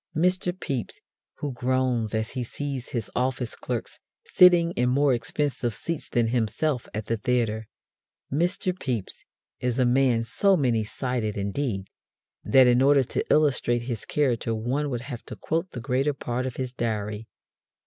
Mr. Pepys who groans as he sees his office clerks sitting in more expensive seats than himself at the theatre. Mr. Pepys is a man so many sided, indeed, that in order to illustrate his character one would have to quote the greater part of his Diary.